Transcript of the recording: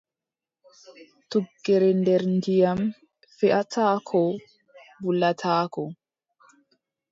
Tuggere nder ndiyam, feʼataako wulataako.